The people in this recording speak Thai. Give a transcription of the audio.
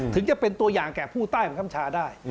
ถึงจะเป็นตัวอย่างแก่ผู้ใต้บังคับชาได้